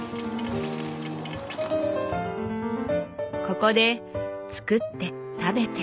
ここで作って食べて。